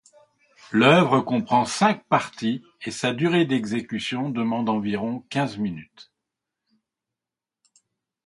L'œuvre comprend cinq parties et sa durée d'exécution demande environ quinze minutes.